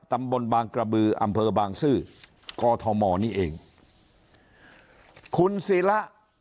ตำบลบางกระบืออำเภอบางซื่อกอทมนี่เองคุณศิระ